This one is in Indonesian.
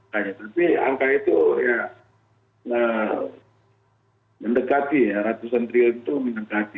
tapi angka itu ya mendekati ya ratusan triliun itu mendekati